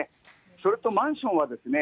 それとマンションはですね、